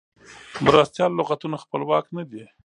مرستیال لغتونه خپلواک نه دي.